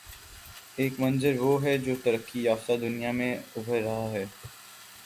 ایک منظروہ ہے جو ترقی یافتہ دنیا میں ابھر رہا ہے۔